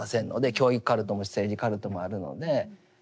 教育カルトも政治カルトもあるので。